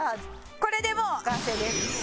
これでもう完成です。